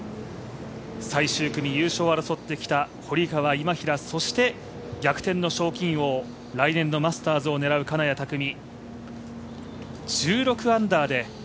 最終組、優勝を争ってきた堀川、今平、そして逆転の賞金王、来年のマスターズを狙う金谷拓実。